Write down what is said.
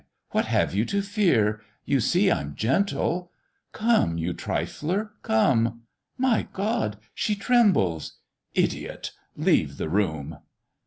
what have you to fear? You see I'm gentle Come, you trifler, come: My God! she trembles! Idiot, leave the room!